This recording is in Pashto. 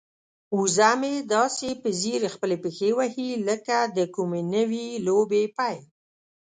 وزه مې داسې په ځیر خپلې پښې وهي لکه د کومې نوې لوبې پیل.